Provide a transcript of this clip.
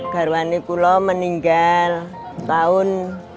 garwani kulo meninggal tahun dua ribu sebelas